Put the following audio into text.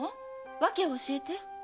訳を教えて。